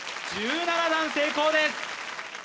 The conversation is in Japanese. １７段成功です